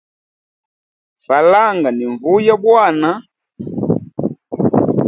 Falanga ni nvuya bwana.